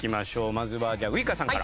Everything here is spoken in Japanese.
まずはじゃあウイカさんから。